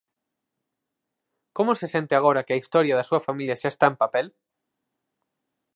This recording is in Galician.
Como se sente agora que a historia da súa familia xa está en papel?